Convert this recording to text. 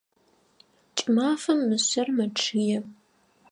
Кӏымафэм мышъэр мэчъые.